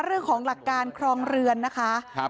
เรื่องของหลักการครองเรือนนะคะ